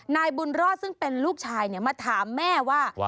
นายบุญรอดซึ่งเป็นลูกชายมาถามแม่ว่า